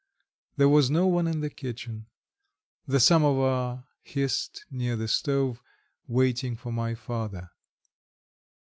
There was no one in the kitchen. The samovar hissed near the stove, waiting for my father.